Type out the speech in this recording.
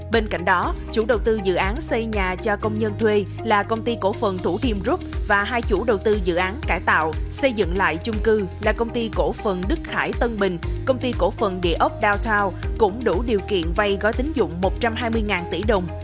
bên cạnh đó chủ đầu tư dự án xây nhà cho công nhân thuê là công ty cổ phần thủ tiêm rút và hai chủ đầu tư dự án cải tạo xây dựng lại chung cư là công ty cổ phần đức khải tân bình công ty cổ phần địa ốc đào thao cũng đủ điều kiện vay gói tính dụng một trăm hai mươi tỷ đồng